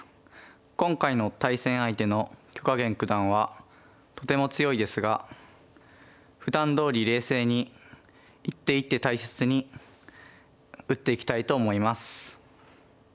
今回の対戦相手の許家元九段はとても強いですがふだんどおり冷静に一手一手大切に打っていきたいと思います。